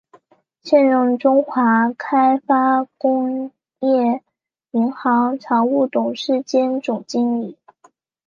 现任中华开发工业银行常务董事兼总经理。